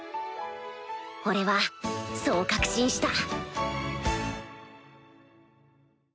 俺はそう確信した